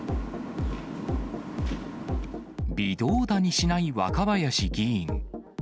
微動だにしない若林議員。